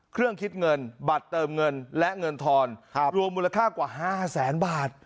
เครื่องคิดเงินบัตรเติมเงินและเงินทรรภ์ครับรวมมูลค่ากว่า๕๐๐๐๐๐บาท